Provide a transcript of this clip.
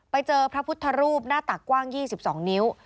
ไปเจอพระพุทธรูปหน้าตักกว้าง๒๒นิ้ว